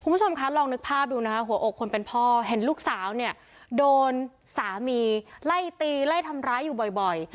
คุณผู้ชมคะลองนึกภาพดูนะคะหัวอกคนเป็นพ่อเห็นลูกสาวเนี่ยโดนสามีไล่ตีไล่ทำร้ายอยู่บ่อย